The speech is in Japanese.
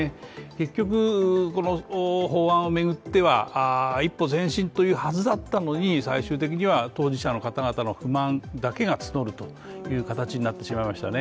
結局、この法案を巡っては一歩前進というはずだったのに最終的には当事者の方々の不満だけが募るという形になってしまいましたね。